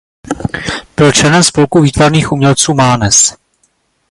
Byl členem Spolku výtvarných umělců Mánes.